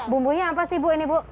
bumbunya apa sih bu